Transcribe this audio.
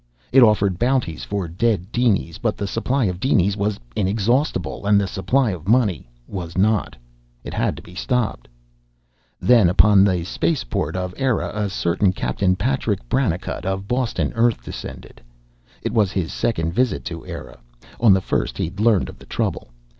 It offered bounties for dead dinies. But the supply of dinies was inexhaustible, and the supply of money was not. It had to be stopped. Then upon the spaceport of Eire a certain Captain Patrick Brannicut, of Boston, Earth, descended. It was his second visit to Eire. On the first he'd learned of the trouble.